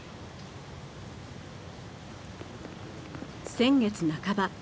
先月半ば。